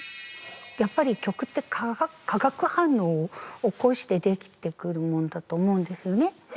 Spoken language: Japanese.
やっぱり曲って化学反応を起こして出来てくるもんだと思うんですよね。